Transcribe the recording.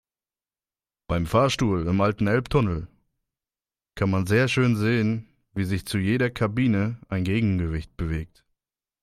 Beim Fahrstuhl im alten Elbtunnel kann man sehr schön sehen, wie sich zu jeder Kabine ein Gegengewicht bewegt.